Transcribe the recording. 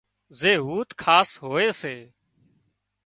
زي هوٿ خاص هوئي سي